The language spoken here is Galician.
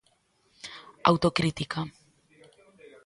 Autocrítica.